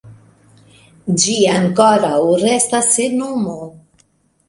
Ĝi ankoraŭ restas sen nomo.